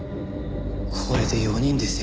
これで４人ですよ